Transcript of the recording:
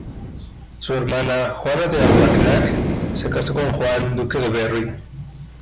Su hermana, Juana de Armagnac, se casó con Juan, Duque de Berry.